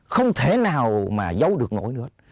không thể nào mà giấu được nổi nữa